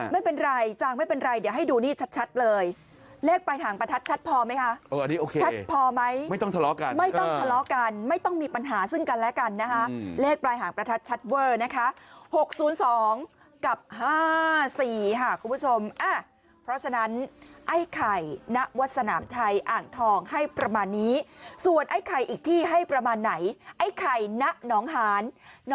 ไม่ต้องคำล้อกันไม่ต้องคำล้ากันไม่ต้องมีปัญหาซึ่งกันและกันนะคะเลขปลายห่างประทัดชัด